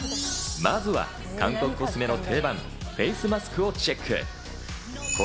まずは韓国コスメの定番、フェイスマスクをチェック。